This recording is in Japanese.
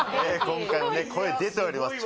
今回もね声出ております